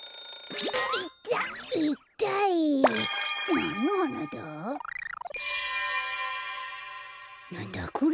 なんだこれ？